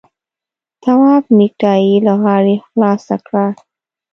تواب نېکټايي له غاړې خلاصه کړه.